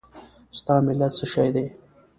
ستا ملت څه شی دی؟